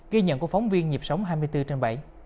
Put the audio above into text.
ghi nhận của phóng viên nhịp sống hai mươi bốn trên bảy